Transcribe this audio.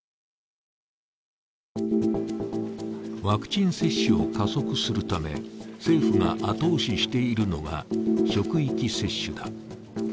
ワクチン接種を加速するため、政府が後押ししているのは、職域接種だ。